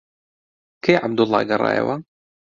کەی عەبدوڵڵا گەڕایەوە؟